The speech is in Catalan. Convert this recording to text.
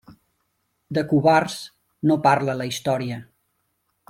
De covards no parla la Història.